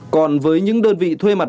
còn với những đơn vị thuê mặt